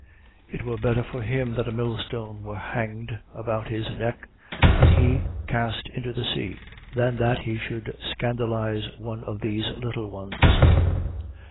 17:2. It were better for him that a millstone were hanged about his neck and he cast into the sea, than that he should scandalize one of these little ones.